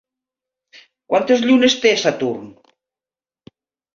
Quantes llunes té Saturn?